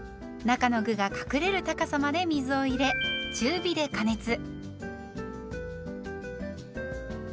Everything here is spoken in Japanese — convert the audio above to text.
中の具が隠れる高さまで水を入れ中火で加熱。